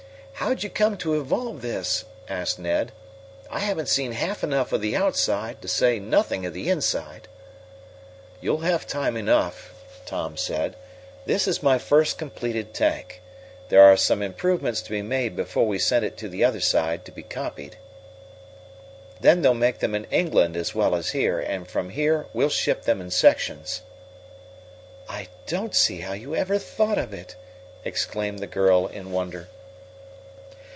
"How'd you come to evolve this?" asked Ned. "I haven't seen half enough of the outside, to say nothing of the inside." "You'll have time enough," Tom said. "This is my first completed tank. There are some improvements to be made before we send it to the other side to be copied. "Then they'll make them in England as well as here, and from here we'll ship them in sections." "I don't see how you ever thought of it!" exclaimed the girl, in wonder.